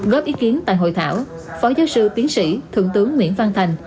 góp ý kiến tại hội thảo phó giáo sư tiến sĩ thượng tướng nguyễn văn thành